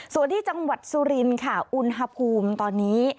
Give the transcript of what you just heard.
ส่วนที่จังหวัดสุรินค่ะอุณหภูมิตอนนี้